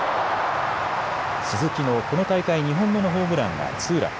鈴木のこの大会２本目のホームランがツーラン。